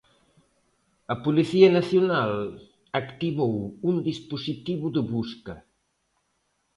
A Policía Nacional activou un dispositivo de busca.